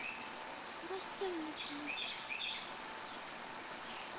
バラシちゃうんですね。